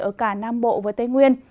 ở cả nam bộ và tây nguyên